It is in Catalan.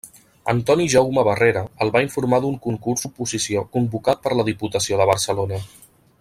Antoni Jaume Barrera, el va informar d'un concurs-oposició convocat per la Diputació de Barcelona.